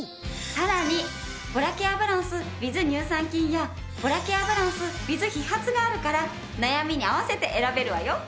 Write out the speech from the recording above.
さらにボラケアバランスｗｉｔｈ乳酸菌やボラケアバランスｗｉｔｈヒハツがあるから悩みに合わせて選べるわよ。